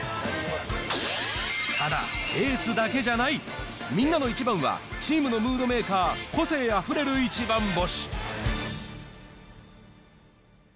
ただ、エースだけじゃない、みんなのイチバンは、チームのムードメーカー、個性あふれるイチバン星。